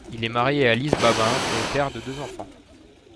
Il est marié à Lise Babin et père de deux enfants.